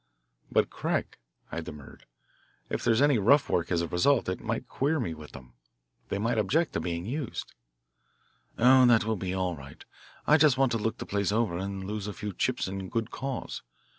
"But, Craig," I demurred, "if there is any rough work as a result, it might queer me with them. They might object to being used " "Oh, that will be all right. I just want to look the place over and lose a few chips in a good cause.